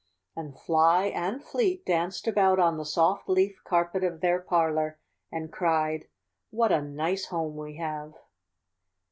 "And Fly and Fleet danced about on the soft leaf carpet of their parlor, and cried: 'What a nice home we have'!